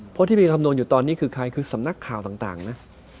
เพราะที่มีคำนวณอยู่ตอนนี้คือใครคือสำนักข่าวต่างนะ